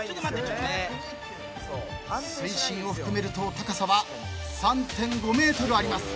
水深を含めると高さは３．５ｍあります。